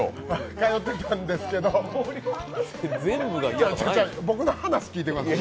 通ってたんですけど、ちょちょ、僕の話聞いてください。